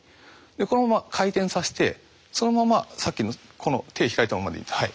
このまま回転させてそのままさっきの手開いたままでいい。